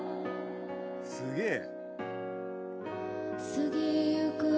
すげえ！